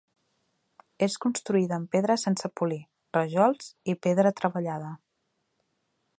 És construïda amb pedra sense polir, rajols i pedra treballada.